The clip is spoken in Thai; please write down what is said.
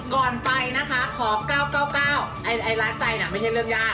ก่อนไปนะคะขอ๙๙๙ล้านใจน่ะไม่ใช่เรื่องยาก